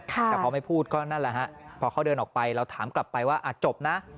แต่พอไม่พูดก็นั่นแหละฮะพอเขาเดินออกไปเราถามกลับไปว่าจบนะ